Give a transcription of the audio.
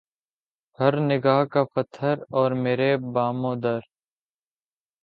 ہر نگاہ کا پتھر اور میرے بام و در